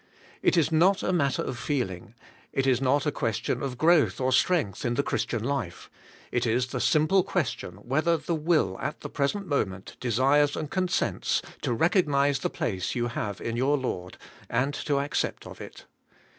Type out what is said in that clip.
It is not a matter of feeling, — it is not a question of growth or strength in the Christian life, — it is the simple question whether the will at the present mo ment desires and consents to recognise the place you have in your Lord, and to accept of it.